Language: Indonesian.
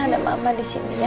ada mama disini ya